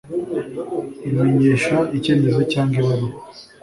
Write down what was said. Imenyesha icyemezo cyangwa ibaruwa